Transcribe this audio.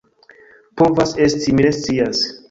Povas esti, mi ne scias.